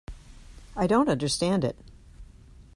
I don't understand it.